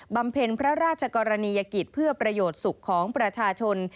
ำเพ็ญพระราชกรณียกิจเพื่อประโยชน์สุขของประชาชน